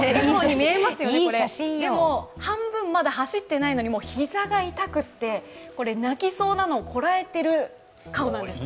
でも半分まだ走っていないのに膝が痛くて、泣きそうなのをこらえてる顔なんです。